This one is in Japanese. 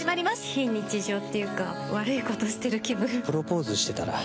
非日常っていうか悪いことしている気分。